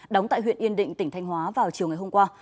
đóng tại huyện yên định tỉnh thanh hóa vào chiều ngày hôm qua